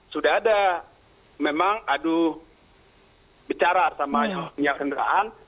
sudah ada memang aduh bicara sama kendaraan